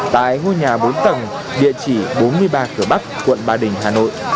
tại ngôi nhà bốn tầng địa chỉ bốn mươi ba cửa bắc quận ba đình hà nội